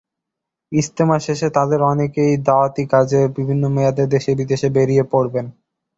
ইজতেমা শেষে তাঁদের অনেকেই দাওয়াতি কাজে বিভিন্ন মেয়াদে দেশে-বিদেশে বেরিয়ে পড়বেন।